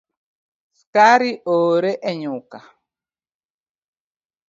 Skari oore e nyuka